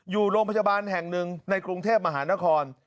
อยู่โรงพยาบาลแห่งหนึ่งในกรุงเทพมหานคร